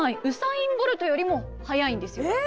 ウサイン・ボルトよりも速いんですよ。